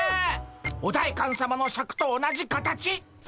お代官さまのシャクと同じ形っ！